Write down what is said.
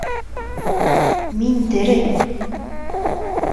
Мин тере...